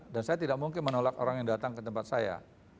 dan saya tidak mungkin menolak orang yang datang ke tempat saya